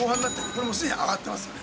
これもうすでに上がってますよね。